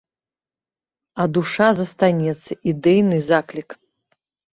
А душа застанецца, ідэйны заклік.